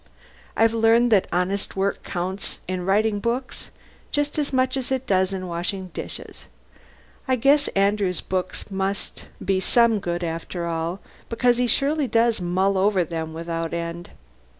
I've learned that honest work counts in writing books just as much as it does in washing dishes. I guess Andrew's books must be some good after all because he surely does mull over them without end.